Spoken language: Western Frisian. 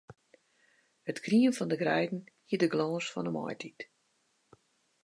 It grien fan 'e greiden hie de glâns fan 'e maitiid.